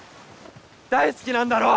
大好きなんだろ？